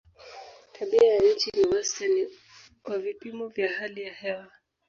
tabia ya nchi ni wastani wa vipimo vya hali ya hewa